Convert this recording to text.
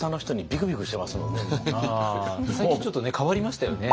ああ最近ちょっとね変わりましたよね。